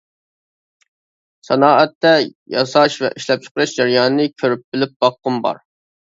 سانائەتتە ياساش ۋە ئىشلەپچىقىرىش جەريانىنى كۆرۈپ بىلىپ باققۇم بار.